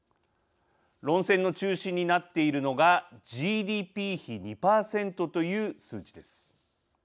論戦の中心になっているのがＧＤＰ比２％という数値です。